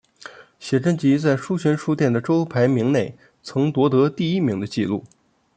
写真集在书泉书店的周排名内曾夺得第一名的纪录。